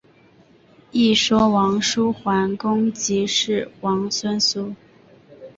一说王叔桓公即是王孙苏。